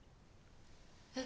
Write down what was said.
えっ？